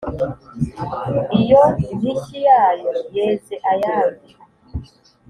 Iyo mpishyi yayo yeze ayandi.